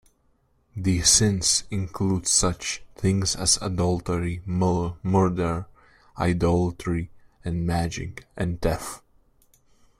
These sins included such things as adultery, murder, idolatry and magic, and theft.